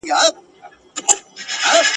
هوښیاران چي پر دې لار کړي سفرونه !.